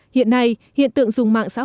hiện nay hiện tượng dùng cơ quan chức năng